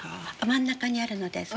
真ん中にあるのですか？